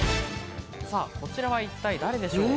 こちらは一体誰でしょう？